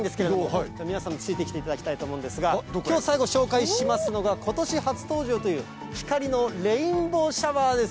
皆さんにもついてきていただきたいと思うんですが、きょう、最後紹介しますのが、ことし初登場という、光のレインボーシャワーです。